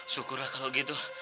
syukurlah kalau gitu